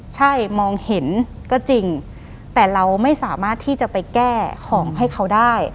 ใช่มองเห็นก็จริงแต่เราไม่สามารถที่จะไปแก้ของให้เขาได้